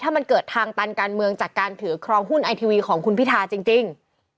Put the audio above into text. ถ้ามันเกิดทางตันการเมืองจากการถือครองหุ้นไอทีวีของคุณพิทาจริง